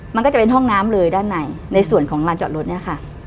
มันก็จะเป็นห้องน้ำเลยด้านในในส่วนของลานจอดรถเนี่ยค่ะ